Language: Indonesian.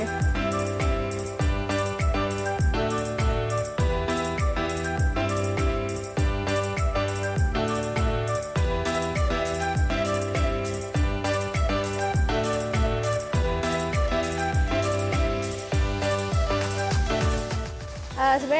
udah enak juga ya